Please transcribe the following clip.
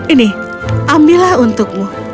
ini ambillah untukmu